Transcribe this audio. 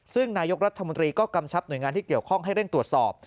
ซึ่งนายกรัฐมนตรีก็กำชับหน่วยงานที่เกี่ยวข้องให้เร่งตรวจสอบ